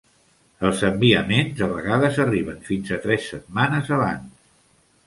Els enviaments a vegades arriben fins a tres setmanes abans.